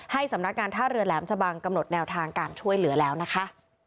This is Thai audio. สำนักงานท่าเรือแหลมชะบังกำหนดแนวทางการช่วยเหลือแล้วนะคะ